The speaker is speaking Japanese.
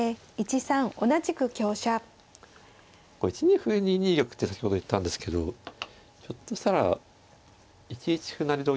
１二歩２二玉って先ほど言ったんですけどひょっとしたら１一歩成同玉